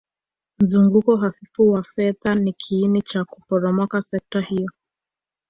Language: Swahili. Mzunguko hafifu wa fedha ni kiini cha kuporomoka sekta hiyo